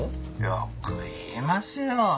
よく言いますよ。